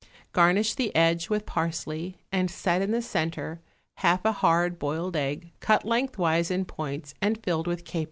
Garnish the edge with parsley, and set in the centre half a hard boiled egg cut lengthwise in points and filled with capers.